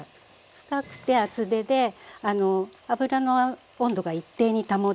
深くて厚手で油の温度が一定に保てて。